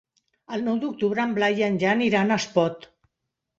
El nou d'octubre en Blai i en Jan iran a Espot.